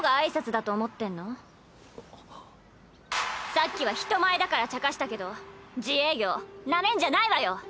さっきは人前だからちゃかしたけど自営業なめんじゃないわよ！